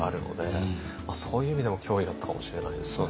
そういう意味でも脅威だったかもしれないですよね。